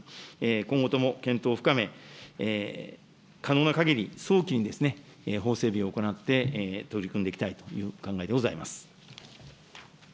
今後とも検討を深め、可能なかぎり早期にですね、法整備を行って取り組んでいきたいという考えでございます。